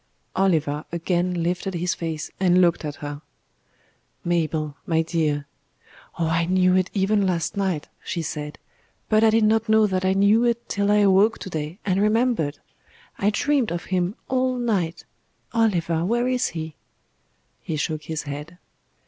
Oliver again lifted his face and looked at her. "Mabel, my dear " "Oh! I knew it even last night," she said, "but I did not know that I knew it till I awoke to day and remembered. I dreamed of Him all night.... Oliver, where is He?" He shook his head.